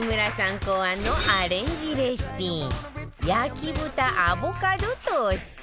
考案のアレンジレシピ焼豚アボカドトースト